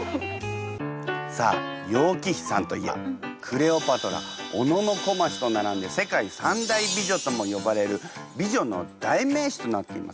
さあ楊貴妃さんといえばクレオパトラ小野小町と並んで世界三大美女とも呼ばれる美女の代名詞となっています。